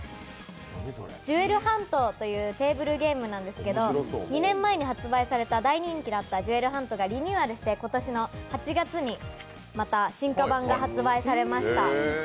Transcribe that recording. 「ジュエルハント」というテーブルゲームなんですけど２年前に発売された大人気だった「ジュエルハント」がリニューアルして今年の８月に進化版が発売されました。